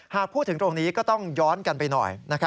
หากพูดถึงตรงนี้ก็ต้องย้อนกันไปหน่อย